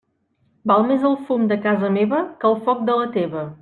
Val més el fum de casa meva que el foc de la teva.